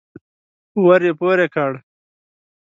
ور يې پورې کړ.